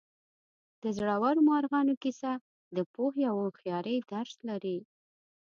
د زړورو مارغانو کیسه د پوهې او هوښیارۍ درس لري.